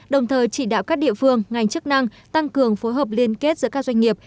đồng thời chỉ đạo các địa phương ngành chức năng tăng cường phối hợp liên kết giữa các doanh nghiệp